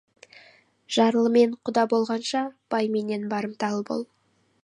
Жарлымен құда болғанша, байменен барымталы бол.